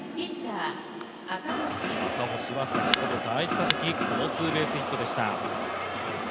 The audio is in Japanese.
赤星は先ほど第１打席このツーベースヒットでした。